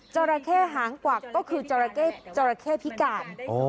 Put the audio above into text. จราเข้หางกวักก็คือจราเข้พิการ